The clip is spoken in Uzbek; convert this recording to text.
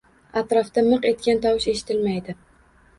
Atrofda miq etgan tovush eshitilmaydi